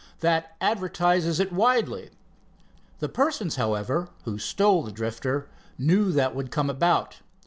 That advertises it widely. The persons, however, who stole the Drifter knew that would come about.